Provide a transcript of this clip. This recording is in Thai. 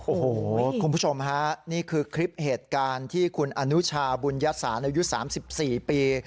โอ้โหคุณผู้ชมฮะนี่คือคลิปเหตุการณ์ที่คุณอนุชาบุญยสารอายุ๓๔ปี